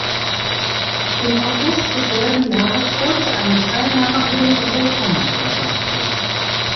Im August desselben Jahres folgte eine Teilnahme an den Europameisterschaften.